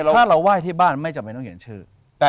ถ้าเราไหว้ที่บ้านไม่จำเป็นต้องเขียนชื่อ